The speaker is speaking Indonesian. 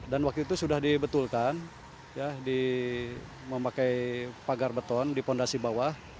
dan waktu itu sudah dibetulkan memakai pagar beton di pondasi bawah